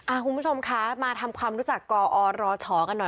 คุณผู้ชมคะมาทำความรู้จักกอรชกันหน่อย